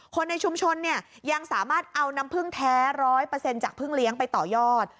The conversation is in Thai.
คนในชุมชนเนี่ยยังสามารถเอาน้ำพึ่งแท้๑๐๐จากพึ่งเลี้ยงไปต่อยอด